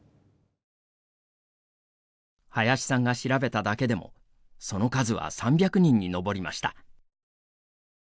林さんが調べただけでもその数は３００人に上りました。